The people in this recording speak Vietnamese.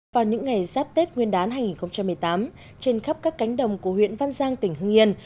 vào những ngày giáp tết nguyên đán hai nghìn một mươi tám trên khắp các cánh đồng của huyện văn giang tỉnh hưng yên